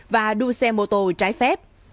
và đua xe mô tô trái phép